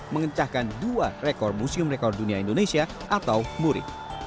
mengencahkan dua rekor museum rekor dunia indonesia atau muri